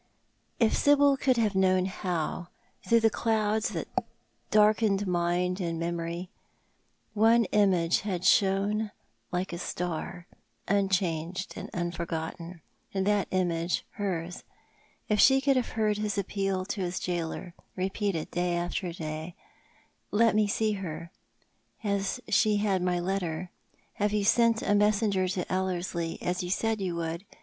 If Sibyl could have known how, through the clouds that darkened mind and memory, one image had shone like a star, unchanged and unforgotten, and that image hers ; if she could have heard his appeal to his gaoler, repeated day after day, "Let me see her. Has she had my letter? Have you sent a messenger to Ellerslie, as you said you would